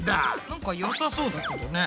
なんかよさそうだけどね。